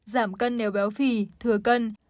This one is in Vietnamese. giảm cân nếu béo phì thừa cân